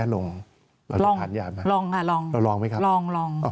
ลองรองลอง